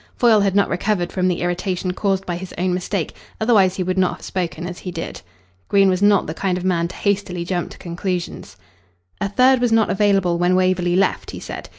Foyle had not recovered from the irritation caused by his own mistake, otherwise he would not have spoken as he did. Green was not the kind of man to hastily jump to conclusions. "A third was not available when Waverley left," he said.